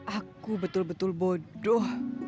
aku betul betul bodoh